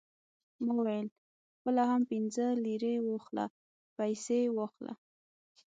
ما وویل: خپله هم پنځه لېرې واخله، پیسې واخله.